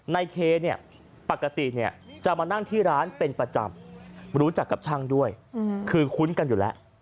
ในเคเนี่ยปกติเนี่ยจะมานั่งที่ร้านเป็นประจำรู้จักกับช่างด้วยคือคุ้นกันอยู่แล้ว